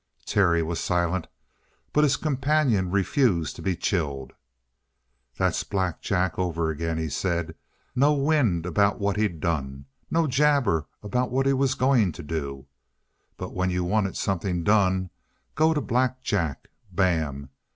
Terry was silent, but his companion refused to be chilled. "That's Black Jack over again," he said. "No wind about what he'd done. No jabber about what he was going to do. But when you wanted something done, go to Black Jack. Bam!